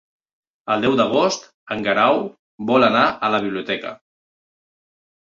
El deu d'agost en Guerau vol anar a la biblioteca.